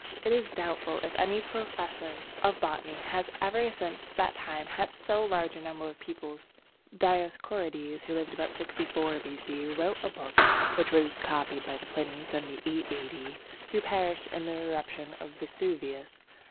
It is doubtful if any professor of botany has ever since that time had so large a number of pupils. Dioscorides, who lived about 64 B.C., wrote a book which was copied by the Pliny (78 A.D.), who perished in the eruption of Vesuvius.